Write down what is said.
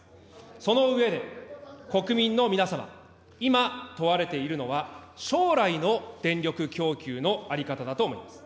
その上で、国民の皆様、今、問われているのは将来の電力供給の在り方だと思います。